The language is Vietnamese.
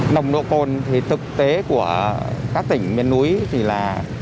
nồng độ cồn thì thực tế của các tỉnh miền núi thì là